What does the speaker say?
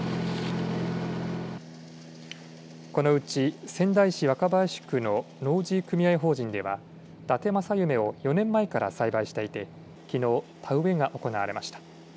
このうち仙台市若林区の農事組合法人ではだて正夢を４年前から栽培していてきのう田植えが行われました。